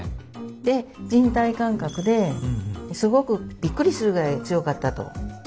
で人体感覚ですごくびっくりするぐらい強かったと。